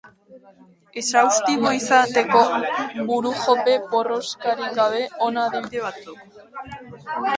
Esaustibo izateko burujope porroskarik gabe, hona adibide batzuk.